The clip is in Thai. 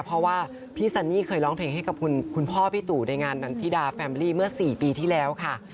เพราะว่าพี่ซันนี่เคยร้องเพลงให้กับคุณพ่อพี่ตู่ในงานนันธิดาแฟมลี่เมื่อ๔ปีที่แล้วค่ะ